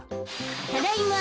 ただいま！